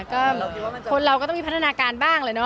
ก็คนเราก็ต้องมีพัฒนาการบ้างแหละเนาะ